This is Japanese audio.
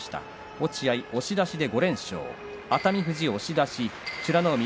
落合、押し出しで５連勝。